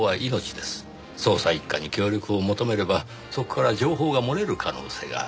捜査一課に協力を求めればそこから情報が漏れる可能性がある。